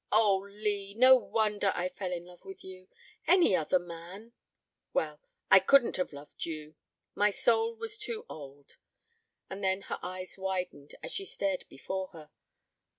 "Oh, Lee! No wonder I fell in love with you. Any other man well, I couldn't have loved you. My soul was too old." And then her eyes widened as she stared before her.